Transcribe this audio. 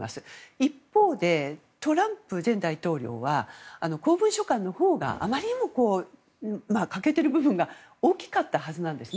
一方でトランプ前大統領は公文書館のほうがあまりにも欠けている部分が大きかったはずなんですね。